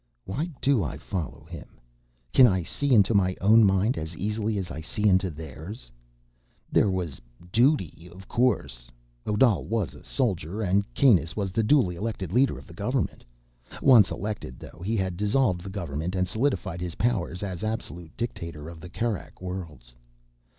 Why do I follow him? Can I see into my own mind as easily as I see into theirs? There was duty, of course. Odal was a soldier, and Kanus was the duly elected leader of the government. Once elected, though, he had dissolved the government and solidified his powers as absolute dictator of the Kerak Worlds.